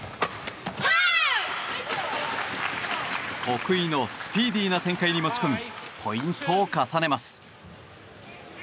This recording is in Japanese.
得意のスピーディーな展開に持ち込みポイントを重ねます。